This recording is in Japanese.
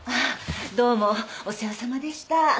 どうもお世話さまでした。